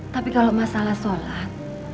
tapi kalau masalah sholat